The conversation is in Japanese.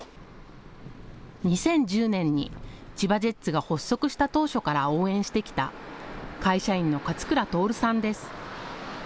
２０１０年に千葉ジェッツが発足した当初から応援してきた会社員の勝倉徹さんです。